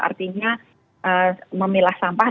artinya memilah sampah